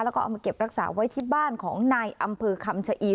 แล้วก็เอามาเก็บรักษาไว้ที่บ้านของนายอำเภอคำชะอี